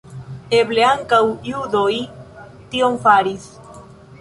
Eble ankaŭ judoj tion faris.